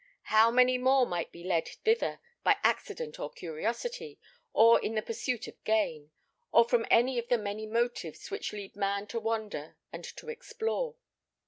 How many more might be led thither, by accident or curiosity, or in the pursuit of gain, or from any of the many motives which lead man to wander and to explore?